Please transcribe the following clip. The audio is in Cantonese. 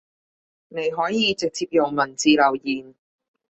你可以直接用文字留言